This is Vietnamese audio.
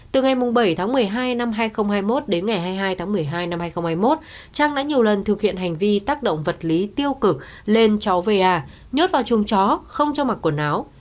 từ ngày bảy tháng một mươi hai năm hai nghìn hai mươi một đến ngày hai mươi hai tháng một mươi hai năm hai nghìn hai mươi một trang đã nhiều lần thực hiện hành vi tác động vật lý tiêu cực lên cháu va nhốt vào chuồng chó không cho mặc quần áo